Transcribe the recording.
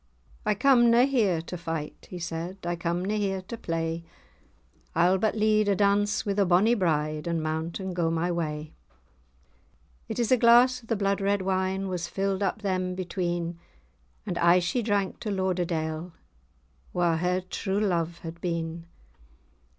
"I come na here to fight," he said, "I come na here to play, I'll but lead a dance wi' the bonny bride, And mount, and go my way." It is a glass of the blood red wine Was filled up them between, And aye she drank to Lauderdale, Wha[#] her true love had been.